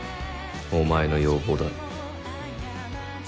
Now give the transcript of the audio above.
お前の要望だろ。